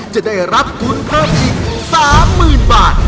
จะได้รับทุนเพิ่มอีก๓๐๐๐บาท